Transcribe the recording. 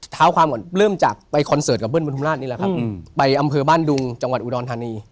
เท้าความก่อนเริ่มจากไปคอนเสิร์ตกับเบิ้บุธมราชนี่แหละครับไปอำเภอบ้านดุงจังหวัดอุดรธานี